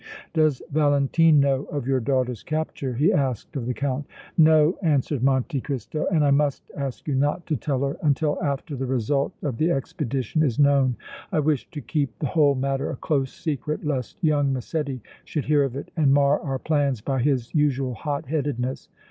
"Does Valentine know of your daughter's capture?" he asked of the Count. "No," answered Monte Cristo, "and I must ask you not to tell her until after the result of the expedition is known. I wish to keep the whole matter a close secret lest young Massetti should hear of it and mar our plans by his usual hot headedness.